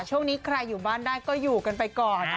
ช่วงนี้ใครอยู่บ้านได้ก็อยู่กันไปก่อน